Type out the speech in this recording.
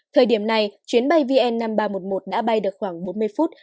thời điểm này chuyến bay vn năm nghìn ba trăm một mươi một đã bay được khoảng bốn mươi phút